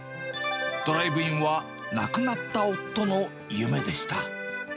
ドライブインは亡くなった夫の夢でした。